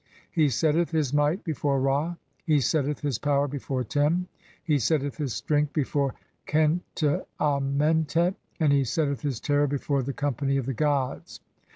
He setteth his might before Ra, he setteth his power before Tem, [he setteth his strength] before Khenti Amentet, and he setteth his terror before the company of the gods.